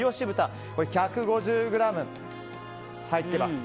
それが１５０ｇ入っています。